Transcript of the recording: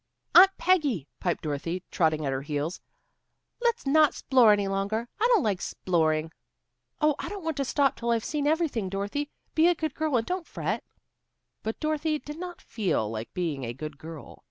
"Aunt Peggy," piped Dorothy, trotting at her heels, "let's not 'splore any longer. I don't like 'sploring." "Oh, I don't want to stop till I've seen everything, Dorothy. Be a good girl and don't fret." But Dorothy did not feel like being a good girl.